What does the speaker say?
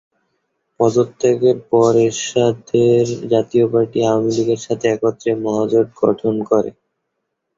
পদত্যাগের পর এরশাদের জাতীয় পার্টি আওয়ামী লীগের সাথে একত্রে মহাজোট গঠন করে।